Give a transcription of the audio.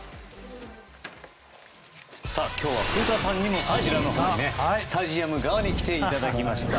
今日は古田さんにもこちらのスタジアム側に来ていただきました。